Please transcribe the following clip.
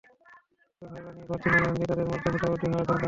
তবে ভাইভা নিয়েই প্রার্থী মনোনয়ন দিয়ে তাদের মধ্যে ভোটাভুটি হওয়া দরকার।